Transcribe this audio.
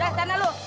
dah sana lu